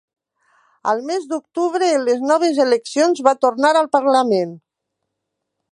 Al mes d'octubre en les noves eleccions va tornar al parlament.